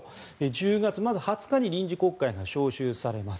１０月２０日に臨時国会が召集されます。